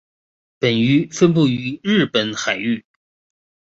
本鱼分布于日本海域。